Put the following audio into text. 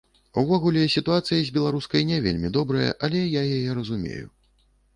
Увогуле, сітуацыя з беларускай не вельмі добрая, але я яе разумею.